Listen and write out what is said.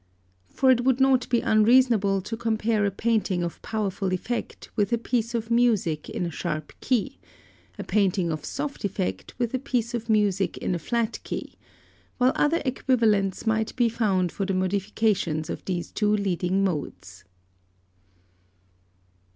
For it would not be unreasonable to compare a painting of powerful effect, with a piece of music in a sharp key; a painting of soft effect with a piece of music in a flat key, while other equivalents might be found for the modifications of these two leading modes.